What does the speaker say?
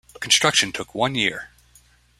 Construction took one year.